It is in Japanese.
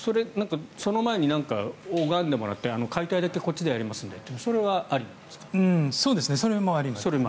その前に拝んでもらって解体だけこっちでやりますのでというのはそれもあります。